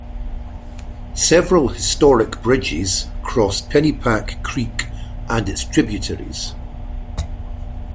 Several historic bridges cross Pennypack Creek and its tributaries.